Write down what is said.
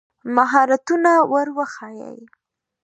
مهارتونه ور وښایي.